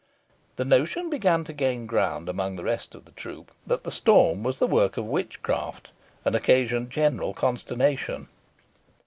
The notion began to gain ground amongst the rest of the troop that the storm was the work of witchcraft, and occasioned general consternation.